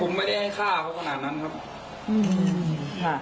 ผมไม่ได้ให้ฆ่าเขาขนาดนั้นครับ